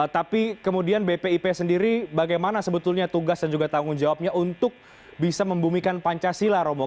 tapi kemudian bpip sendiri bagaimana sebetulnya tugas dan juga tanggung jawabnya untuk bisa membumikan pancasila romo